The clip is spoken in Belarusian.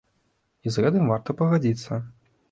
І з гэтым варта пагадзіцца.